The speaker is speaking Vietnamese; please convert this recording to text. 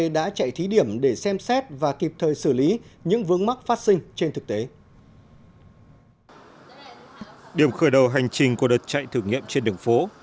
điểm khởi đầu hành trình của đợt chạy thử nghiệm trên đường phố